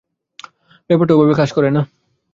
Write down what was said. ব্যাপারটা ওভাবে কাজ করে না।